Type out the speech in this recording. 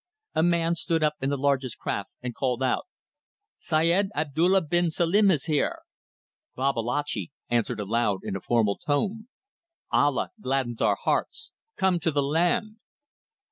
A man stood up in the largest craft and called out "Syed Abdulla bin Selim is here!" Babalatchi answered aloud in a formal tone "Allah gladdens our hearts! Come to the land!"